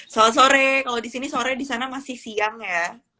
soal sore kalau disini sore disana masih siang ya